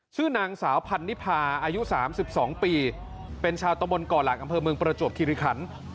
ชื่อนางสาวพันนิพาอายุ๓๒ปีเป็นชาวตะบนก่อหลักอำเภอเมืองประจวบคิริขัน